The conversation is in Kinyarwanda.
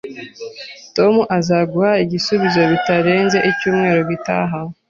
Tom azaguha igisubizo bitarenze icyumweru gitaha